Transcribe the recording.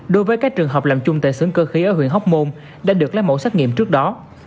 đối với các trường hợp làm chung tại sưởng cơ khí ở huyện hóc môn đã được lấy mẫu xét nghiệm trước đó